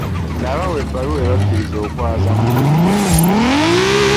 Nabawe ebbaluwa ebakkiriza okwaza mu nju mwe nsula.